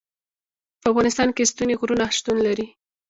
په افغانستان کې ستوني غرونه شتون لري.